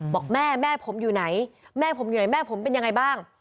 บอกแม่แม่ผมอยู่ไหนแม่ผมเป็นยังไงบ้าง